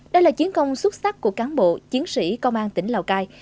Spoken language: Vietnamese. đây là chiến công xuất sắc của cán bộ chiến sĩ công an tỉnh lào cai